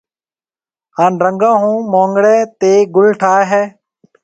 ھان رنگون ھون مونگيڙيَ تيَ گُل ٺائيَ ھيََََ